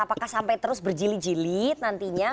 apakah sampai terus berjilid jilid nantinya